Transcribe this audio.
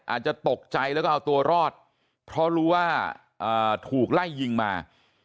อาจจะตกใจแล้วก็เอาตัวรอดเพราะรู้ว่าถูกไล่ยิงมา